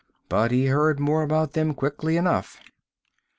But he heard more about them quickly enough.